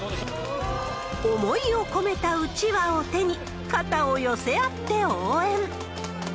思いを込めたうちわを手に、肩を寄せ合って応援。